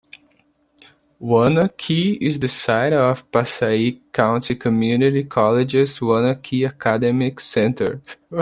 Wanaque is the site of Passaic County Community College's Wanaque Academic Center.